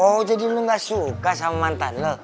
oh jadi lu gak suka sama mantan lo